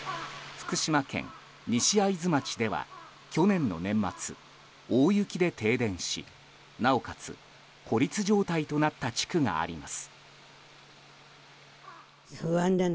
福島県西会津町では去年の年末大雪で停電しなおかつ孤立状態となった地区があります。